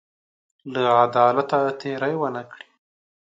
له عدالته تېری ونه کړ.